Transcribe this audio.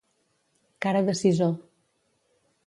Cara de sisó.